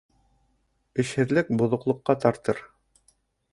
Эшһеҙлек боҙоҡлоҡҡа тартыр.